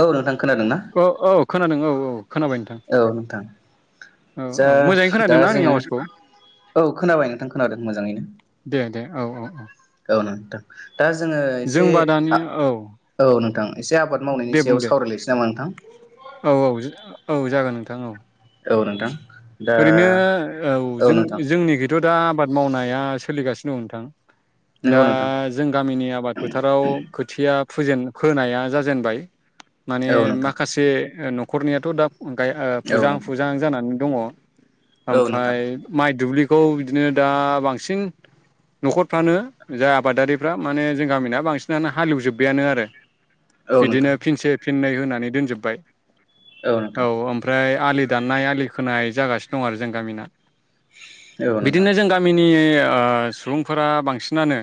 औ नोंथां। खोनादोंना औ औ खोनादों औ औ खोनाबाय नोंथां औ नोंथां औ जा मोजाङै दा खोनादोंना आंनि जोङो आवाजखौ औ खोनाबाय नोंथां खोनादों मोजाङैनो दे दे औ औ औ औ नोंथां [unintelligible] दा जोङो एसे जोंबा दानि आ औ औ नोंथां एसे आबाद मावनायनि दे बुं सायाव दे सावरायलायनोसै नामा नोंथां थां औ औ नोंथां दा ओरैनो औ जों जोंनिखिथ' दा आबाद मावनाया सोलिगासि औ नोंथां दा नंगौ नोंथां जों गामिनि आबाद फोथाराव खोथिया फुजेन फोनाया जाजेनबाय माने औ नोंथां माखासे न'खरनियाथ दा गाय ओ औ फुजाहां नोंथां फुजाहां जानानै दङ' औ नोंथां ओमफ्राय माइ दुब्लि खौ बिदिनो दा बांसिन न'खरफ्रानो जाय आबादारिफ्रा माने जों गामिना बांसिनानो हालेवजोब्बायानो आरो औ नोंथां औ बिदिनो नोंथां फिनसे फिननै होनानै दोनजोबबाय औ ओमफ्राय आलि दाननाय आलि खोनाय जागासि दं आरो जों गामिना औ नोंथां बिदिनो जों गामिनि ओ सुबुंफोरा बांसिनानो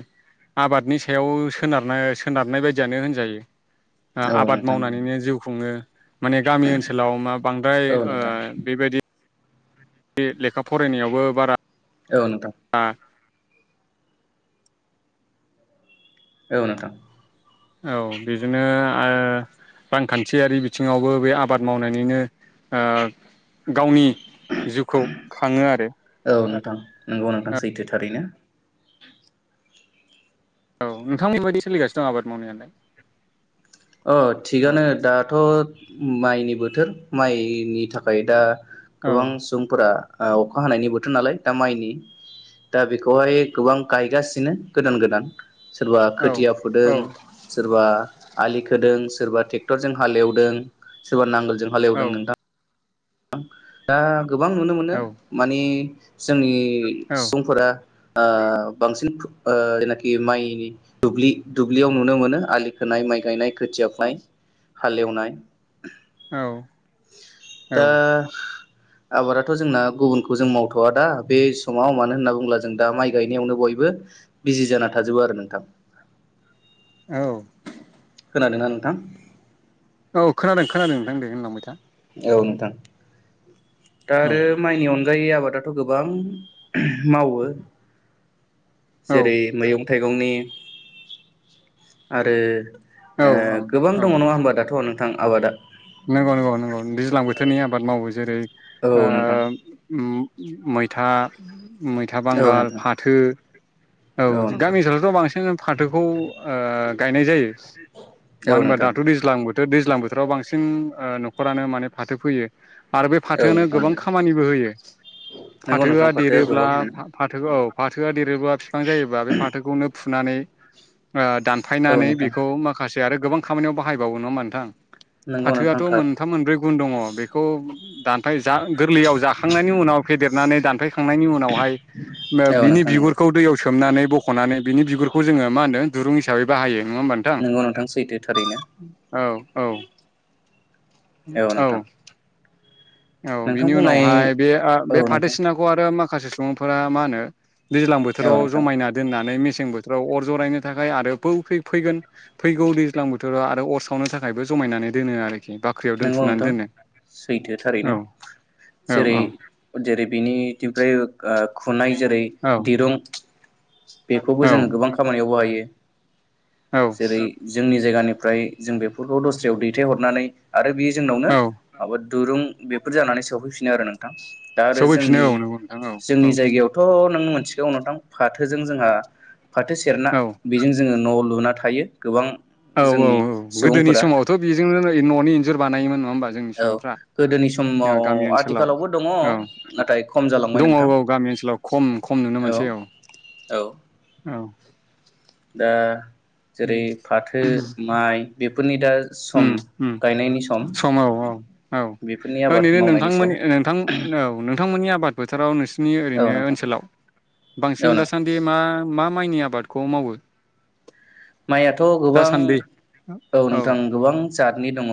आबादनि सायाव सोनारनो सोनारनाय बायदियानो होनजायो । ओ‌ औ आबाद नोंथां मावनानैनो जिउ खुङो। माने गामि ओनसोलाव मा बांद्राय ओ बेबायदि बे लेखा फरायनायावबो बारा औ नोंथां औ नोंथां औ बिजोंनो ओ रांखान्थियारि बिथिङावबो बे आबाद मावनानैनो ओ गावनि जिउखौ खाङो आरो औ नोंथां नंगौ नोंथां सैथो थारैनो औ नोंथां [unintelligible] सोलिगासिनो दं आबाद मावनायालाय? अ औ थिगानो दाथ' माइनि बोथोर माइनि थाखाय दा गोबां सुबुंफोरा ओ अखा हानायनि बोथोर नालाय दा माइनि दा बेखौहाय गोबां गायगासिनो गोदान गोदान सोरबा औ खोथिया फुदों सोरबा आलि खोदों सोरबा ट्रेक्टरजों हालेवदों सोरबा नांगोल जों औ हालेवदों नोंथां। दा। गोबां नुनो मोनो औ माने जोंनि नि सुबुंफोरा। ओ बांसिन ओ जायनाखि माइनि दुब्लि दुब्लियाव नुनो मोनो आलि खोनाय माइ गायनाय खोथिया फुनाय हालेवनाय। औ। दा औ आबाराथ' जोंना गुबुनखौ जों मावथ'वा दा बे समाव मानो होनना बुङोब्ला जों दा माइ गायनायावनो बयबो बिजि जाना थाजोबो आरो नोंथां। औ। खोनादों ना नोंथां? औ खोनादों खोनादों नोंथां दे होनलांबाय था। औ नोंथां। दा औ आरो माइनि अन गायै आबादाथ' गोबां मावो औ जेरै मैगं थाइगंनि आरो औ ओ गोबां दङ नङा होमबा दाथ' नों थां आबादा। नोंगौ नोंगौ नोंगौ दैज्लां बोथोरनि आबाद मावो जेरै औ ओ नोंथां ओम। मैथा मैथा औ बांगाल नोंथां फाथो। औ जो गामि ओनसोलावथ' बां सिनानो फाथोखौ ओ गायनाय जायो औ मानो होनबा नोंथां दाथ' दैज्लां बो थो दैज्लां बोथोराव बांसिन ओ न'खरानो माने फाथो फैयो। आरो बे औ फाथोआनो नोंथां गोबां नंगौ खामानिबो होयो नोंगौ नोंथां फाथोआ देरोब्ला गोबां मोनो फा फाथो औ फाथोआ देरोबा बिफां जायोबा बे फाथोखौनो फुनानै ओ औ दानफायनानै नोंथां बेखौ माखासे आरो गोबां खामानियाव बाहायबावो नङा होनबा नोंथां? नंगौ नोंथां फाथोआथ' थार मोनथाम मोनब्रै गुन दङ बेखौ दानफाय जा गोरलैयाव जाखांनायनि उनाव फेदेरनानै दानफैखांनायनि उनावहाय ओ औ बिनि नोंथां नंगौ बिगुरखौ दैयाव नानै बख'नानै बिनि बिगुरखौ जोङो मा होनो दुरुं हिसाबै बाहायो। नङा होमबा नोंगौ नोंथां सैथो थारैनो‌। औ। औ। नोंथां औ नोंथां बिनि बुंनाय उनावहाय बे ओ औ बे नोंथां फाथोसिनाखौ आरो माख खासे सुबुंफोरा मा होनो। दैज्लां औ बोथोराव नोंथां जमायना दोननानै मस सें बोथोराव अर जरायनो थाखाय आरोै बौ फै फैगोन फैगौ दैज्लां बोथोराव आरो अर सावनो थाखायबो जमायनानै दोनो आरो। बाख्रियाव नंगौ दोनथुमनानै नोंथां दोनो। सैथो थारैनो औ जेरै औ जेरै बेनिथिमफ्राय ओ खुनाय जेरै औ दिरुं बेखौबो जोङो गोबां खामानियाव बाहायो। औ जेरै- जोंनि जायगानिफ्राय जों बेफोरखौ दस्रायाव दैथायहरनानै आरो बेयो जे औ जोंनावनो दुरुं बेफोर जानानै सफैफिनो आरो नोंथां। दा आरो सफैफिनो औ नंगौ नोंथां औ जोंनि-जोंनि जायगायावथ' नों मोन मोनथिगौ नोंथां फा थोजों जोंहा फाथो सेरना औ बेजों जोङो न' लुना थायो गोबां। औ-औ-औ जोंनि गोदोनि सुबुंफोरा समावथ' बेजोंनो न'नि इन्जुर बानायोमोन नङा होमबा। जोंनि औ सुबुंफ्रा गोदोनि समाव गामि ओनसोलाव आथिखालावबो दङ औ नाथाय खम जालांबाय दङ औ नोंथां गामि ओनसोलाव खम खम नुनो मोनसै औ औ-औ। औ दा। जेरै- फाथो माइ। बेफोरनि दा। सम उम-उम सम औ-औ-औ बेफोरनि आबाद ओनैनो मावनायनि सम नोंथांमोननि ओ नोंथां औ नोंथांमोननि आबाद। बोथोराव नों सोरनि औ ओरैनो नोंथां ओनसोलाव औ बांसिन नोंथां दासान्दि मा मा माइनि आबादखौ मावो? माइयाथ' गोबां दासान्दि औ नोंथां गोबां। जादनि दङ।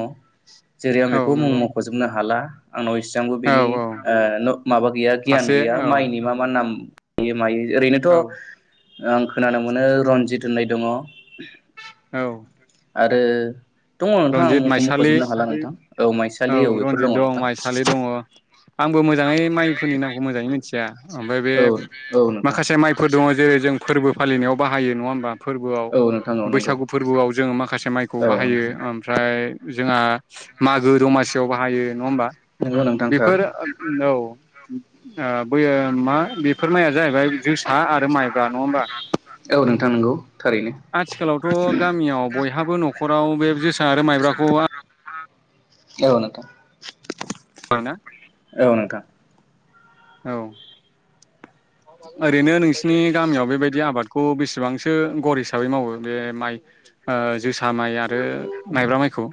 जेरै- आं औ बेखौ मुं नंगौ मख'जोबनो हाला। आंनाव इसआंबो औ बेनि औ ओ न माबा गैया गियान फारसे गैया औ माइनि मा-मा नाम। इएम आइ ओरैनोथ' औ आं खोनानो मोनो रन्जित होननाय दङ । [inaudible] औ। आरो दङ नोंथां आं रनजित मुंखौ माइसालि मख'जोबनो हाला नोंथां औ माइसालि बेफोर दङ रनजित दं नोंथां माइसालि दङ आंबो मोजाङै माइफोरनि नामखौ मोजाङै मिथिया ओमफाय बे औ औ नोंथां माखासे माइफोर दङ जेरै जों फोरबो फालिनायाव बाहा हायो नङा होमबा? फोरबोआव औ नोंथां औ नंगौ बैसागु फोरबोआव जोङो माखासे माइखौ औ बाहायो नोंथां । ओमफ्राय जोंहा मागो दमासियाव बाहायो नङा होमबा नंगौ नोंथां थार बेफोर औ । आ बैयो मा बेफोर माइया जाहैबाय जोसा आरो माइब्रा नङा होमबा औ नोंथां नंगौ थारैनो आथिखालावथ' गामियाव बयहाबो न'खराव बे जो आरो माइब्राखौ औ नोंथां आरोना । औ नोंथां। औ। ओरैनो नोंसिनि गामियाव बेबाय दि आबादखौ बेसेबांसो गर हिसाबै मावो बे माइ ओ जोसा माइ आरो माइब्रा माइखौ?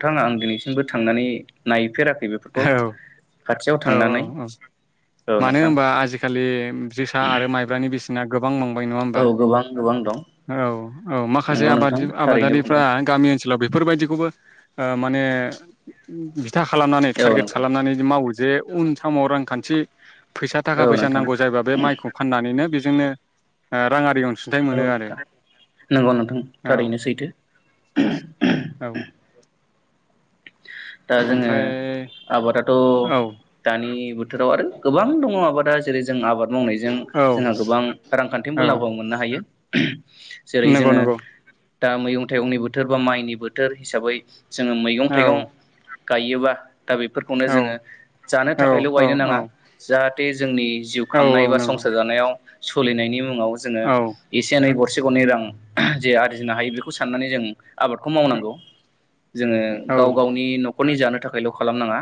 नोंथांआं दिनैसिमबो थांनानै नायफेरा औ औ औ औ औ मानो नोंथां होनबा आजिखालि जोसा आरो माइब्रानि बेसे ना गोब बां बांबाय नङा होमबा? औ गोबां गोबां दं औ औ माखासे नंगौ आबाद नोंथां थारैनो आबादारिफ्रा बुंदों गामि ओनसोलाव बेफोरबायदिखौबो ओ माने था खालामनानै औ टारगेट नोंथां खालामनानै मावो जे उन समाव रांखान्थि फैसा थाखा औ फैसा नोंथां नांगौ जायोबा बे माइखौ फाननानैनो बे जोंनो ओ रांआरि अनसुंथाइ औ मोनो आरो । नोंथां नंगौ नोंथां थारैनो सैथो। औ दा जोङो ओमफ्राय आबादाथ' औ दानि बोथोराव आरो गोबां दङ आबादा जेरै जों आबाद मावनायजों औ जोंहा गोबां रांखान्थि औ मुलाम्फा मोननो हायो‌। [unintelligible] जेरै नंगौ जोङो नंगौ दा मैगं थाइगंनि बोथोर बा माइनि बोथोर हिसाबै जोङो औ मैगं-थाइगं गायोबा बेफोरखौनो औ जोङो जानो औ थाखायल' औ बायनो नाङा जाहाथे जोंनि जिउ औ खांनाय बा नंगौ संसार जानायाव सलिनायनि जोङो औ एसे एनै गर गरसे गरनै रां जे आरजिनो हायो बेखौ साननानै जों आबादखौ मावनांगौ जोङो औ गाव गावनि नखरनि जानो थाखायल' खालामनाङा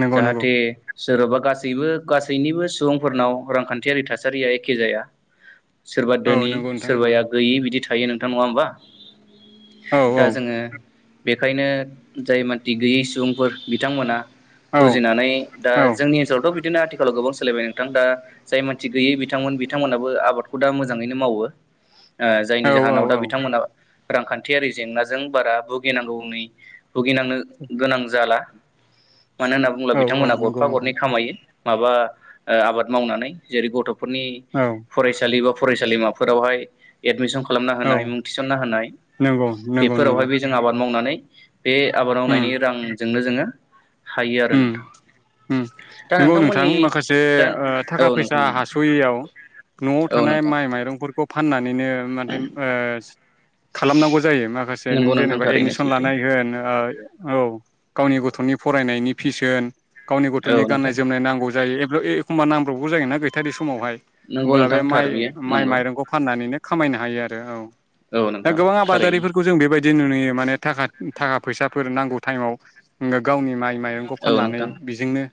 नंगौ नंगौ जाहाथे सोरबा गासैबो गासैनिबो सुबुंफोरनाव रांखान्थियारि थासारिया एखे जाया। सोरबा औ दोनि नंगौ नोंथां नंगौ सोरबाया गैयि बिदि थायो नोंथां नङा होमबा? औ दा जोङो बेखायनो जाय बादि गैयै सुबुंफोर बिथांमोना औ बुजिनानै दा औ जोंनि ओनसोलावथ' बिदिनो आथि गोबां सोलायबाय नोंथां दा जाय मानसि गैयै बिथांमोन बिथांमोनाबो आबादखौ दा मोजाङैनो मावो। ओ जायनि जाहोनाव दा औ औ बिथांमोना रांखान्थियारि जेंनाजों बारा भुगिनांगौनि भुगिनांनो गोनां जाला। मानो होनना बुङोब्ला औ औ बिथांमोना नंगौ गरफा नोंथां गरनै खामायो। माबा ओ आबाद मावनानै जेरै गथ' फोरनि औ फरायसालि बा फरायसालिमाफोरावहाय एडमिसन खालामना औ होनाय मुं थिसनना होनाय नंगौ नंगौ नंगौ बेफोरावहायबो जों आबाद मावनानै। बे आबाद उम मावनायनि रां। जोंनो जोङो। हायो आरो उम नोंथां उम दा नंगौ नोंथां नोंथांमोननि माखासे दा औ थाखा फैसा नोंथां हासयैयाव नआव औ थानाय नोंथां माइ माइरंफोरखौ। फानानै बिनो माथो-ओ खालामनांगौ जायो माखासे नों नंगौ नोंथां जेनेबा थारैनो एडमिसन सैथो लानाय होन। औ गावनि गथनि फरायनायनि। फिसोन गावनि औ गथनि गाननाय नोंथां जोमनाय नांगौ जायो। ओय एखम्ब नांब्रबगौ जायो ना गैथारि स मावहाय नंगौ अब्ला बे नोंथां थार माइ बियो माइ नंगौ माइरंखौ फाननानैनो खामायनो हायो आरो औ औ दा नोंथां गोबां थारैनो आबादारिफोरखौ जों बेबायदि दि नु-नुयो माने थाखा-थाखा फैसा फोरों नांगौ टाइमाव गावनि माइ माइ र औ फाननानै नोंथां बेजोंनो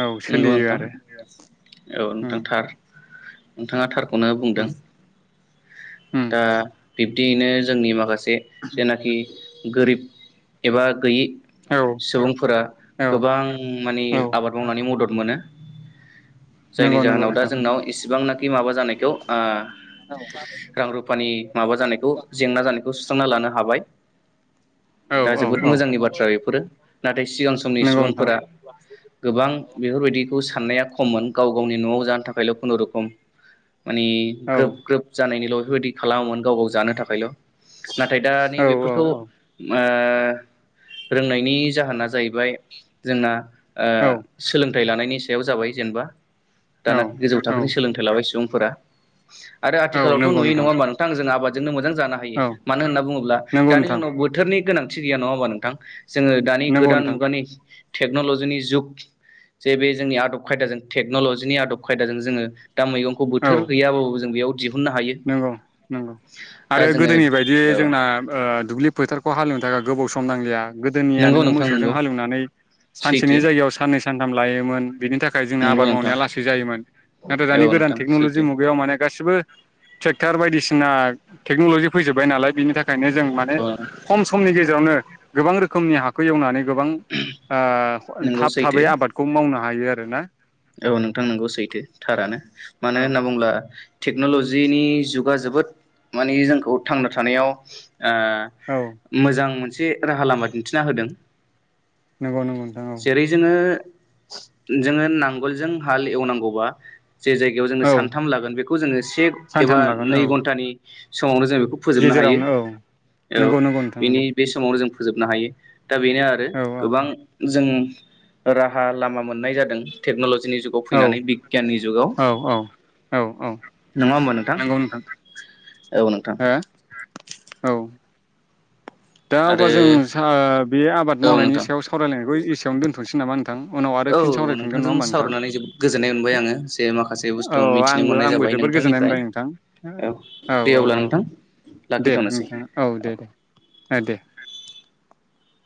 औ नंगौ सोलियो नोंथां आरो औ उम नोंथां थार। नोंथाङा थार खौनो उम बुंदों। उम दा बिबदियैनो जोंनि माखासे जेनाखि गोरिब एबा गैयि औ सुबुंफोरा औ गोबां माने औ आबाद मावनानै मदद मोनो जायनि नंगौ नंगौ जाहोनाव दा नोंथां जोंनाव इसिबांनाखि माबा जानाय द ओह औ थां। रां रुफानि माबा जानायखौ जेंना जानायखौ सुस्रांना लानो हाबाय। औ दा औ जोबोद औ मोजांनि बाथ्रा बेफोरो नाथाय सिगां समनि नंगौ सुबुंफोरा नोंथां गोबां बेफोरबायदिखौ साननाया खममोन गाव गावनि नआव जानो थाखायल खुनुरुखुम मानिे औ ग्रोब ग्रोब जानायनिल बेफोरबादि खालामोमोन गाव गाव जानो थाखायल नाथाय दा नै बेेफोरखौ ओ रोंनायनि जाहोना जाहैबाय जोंना ओ औ सोलों थाय लानायनि सायाव जाबाय जेनेबा औ दाना गोजौ औ थाखोनि सोलोंथाइ लाबाय सुबुं फोरा आरो आथिखालाव थ नुयो नङा होनबा नोंथां जों आबाद जोंनो मोजां जानो हायो औ मानो होनना बुङोब्ला नंगौ दानि नोंथां जोंनाव बोथोरनि गोनांथि थि गैया नङा होमबा नोंथां जोङो दानि नंगौ गोदान नोंथां मुगानि टेक्नलजिनि जुग जे बे जोंनि आदब खायदाजों टेक्नलजिनि आदब खायदाजों जोङो दा मैगंखौ बोथोर गैयाबाबो जों बेयाव दिहुननो हायो नोंगौ नोंगौ दा आरो जोङो गोदोनि बायदि औ जोंना ओ दुब्लि फोथारखौ हालेव बारा गोबाव सम नांलिया गोदोनिया नंगौ नोङो नोंथां मोसौजों नंगौ हालेवनानै सानसेनि सैथो जायगायाव साननैसो सानथाम लायोमोन बिनि थाखाय जोंना नंगौ आबाद नोंथां मावनाया लासै जायोमोन नाथाय औ दानि गोदान नोंथां टेक्नलजि सैथो मुगायाव माने गासिबो ट्रेक्टर बायदिसिना टेक्नलजि फैजोबबाय नालाय बिनि थाखाय थाखायनो जों माने औ खम स समनि गेजेरावनो गोबां रोखोमनि हाखौ एवनानै गोबां ओ नंगौ थाब थाबै सैथो आबादखौ मावनो हायो आरो ना औ नोंथां नोंगौ सैथो थारानो मानो औ होनना बुंब्ला टेक्नलजिनि जुगा जोबोद माने जोंखौ थांना थानायाव ओ औ मोजां मोन मोनसे राहा लामा दिन्थिना होदों नंगौ नंगौ नोंथां औ जेरै जोङो जोङो नां गोल जों हाल एवनांगौबा जे जायगायाव जोङो औ सानथाम लागोन बेखौ जोङो से एबा सानथाम लागोन नै औ घन्टानि समावनो जों बेखौ फोजोबनो हायो गेजेरावनो औ औ नंगौ नंगौ नोंथां बेनि नंगौ बे समावनो जों फोजोबनो हायो। दा बेनो आरो औ औ गोबां जों राहा लामा मोननाय जादों। टेक्नल' जिनि जुगाव औ फैनानै बिगियाननि जुगाव औ औ औ औ नङा होमबा नोंथां? औ नोंथां हो औ दा आरो अब्ला जों सा बे आबाद औ मावनायनि नोंथां सायाव सावरायलायनायखौ एसेयावनो दोनथ' नोसै नामा नोंथां उनाव आरो औ फिन सावरायफिनगोन नङा नोंथांजों होमबा नोंथां सावरायनानै जोबोद गोजोननाय मोनबाय आङो। जे माखासे बुस्थु औ मिथिनो आंबो मोननाय आंबो जाबाय जोबोद गोजोननाय नोंथांनिफ्राय। मोनबाय नोंथां औ दे औ अब्ला औ औ नोंथां दे लाखिथ'नोसै नोंथाङा दे औ। दे [inaudible]